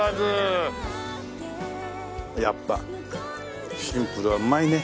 やっぱシンプルはうまいね。